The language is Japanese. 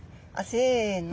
せの！